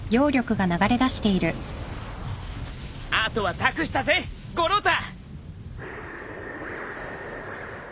あとは託したぜ五郎太！